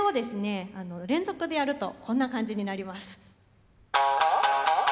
連続でやるとこんな感じになります。